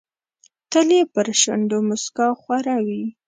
تل یې پر شونډو موسکا خوره وي.